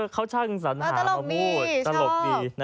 เขาช่างสัญหามาพูดตลกดี